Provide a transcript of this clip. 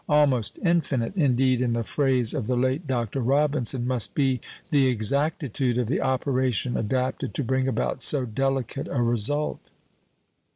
"Almost infinite," indeed (in the phrase of the late Dr. Robinson), must be the exactitude of the operation adapted to bring about so delicate a result.